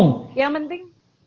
yang penting yang penting